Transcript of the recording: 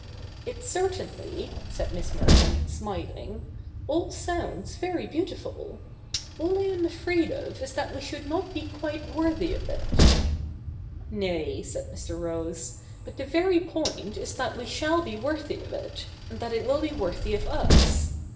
' It certainly,' said Miss Merton, smiling, ' all sounds very beautiful. All I am afraid of is that we should not be quite worthy of it.' ' Xay,' said Mr. Rose, ' but the very point is that we 198 THE NEW REPUBLIC [bk. iv shall be worthy of it, and that it will be worthy of us.